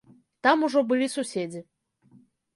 Там ужо былі суседзі.